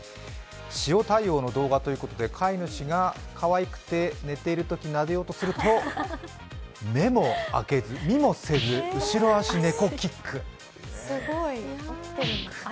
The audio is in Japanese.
塩対応の動画ということで、飼い主がかわいくて寝ているときなでようとすると目も開けず、見もせず、後ろ脚猫キック。